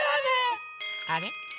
あれ？